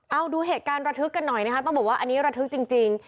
เอาดูเหตุการณ์ระทึกกันหน่อยนะคะต้องบอกว่าอันนี้ระทึกจริง